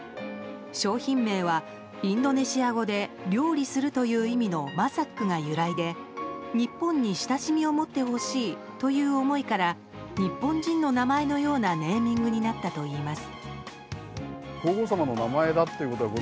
商品名は、インドネシア語で料理するという意味のＭａｓａｋが由来で日本に親しみを持ってほしいという思いから日本人の名前のようなネーミングになったといいます。